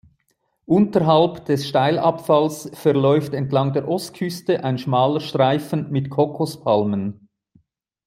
Unterhalb des Steilabfalls verläuft entlang der Ostküste ein schmaler Streifen mit Kokospalmen.